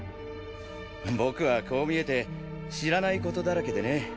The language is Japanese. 僕はこう見えて知らないことだらけでね。